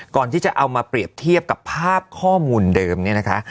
ก่อนที่จะเอามาเปรียบเทียบกับภาพข้อมูลเดิมเนี่ยนะคะ